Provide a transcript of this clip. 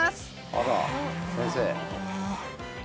あら先生。